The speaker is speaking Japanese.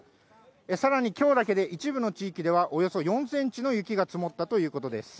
さらに、きょうだけで、一部の地域では、およそ４センチの雪が積もったということです。